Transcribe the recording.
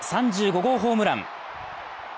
３５号ホームラン？